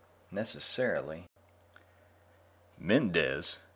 Necessarily..._ "Mendez?"